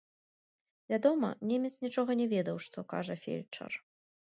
Вядома, немец нічога не ведаў, што кажа фельчар.